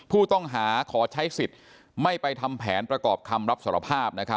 ผู้ต้องหาขอใช้สิทธิ์ไม่ไปทำแผนประกอบคำรับสารภาพ